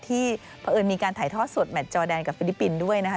เพราะเอิญมีการถ่ายทอดสดแมทจอแดนกับฟิลิปปินส์ด้วยนะคะ